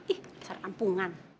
ih besar kampungan